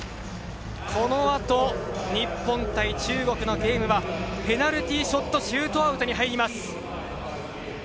このあと日本×中国のゲームはペナルティ・ショット・シュートアウトに入ります。